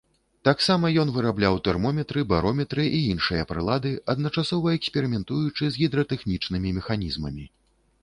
Таксама ён вырабляў тэрмометры, барометры і іншыя прылады, адначасова эксперыментуючы з гідратэхнічнымі механізмамі.